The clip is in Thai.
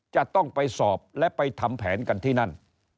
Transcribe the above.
จะต้องไปสอบและไปทำแผนกันที่นั่น